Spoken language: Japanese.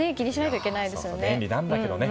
便利なんだけどね。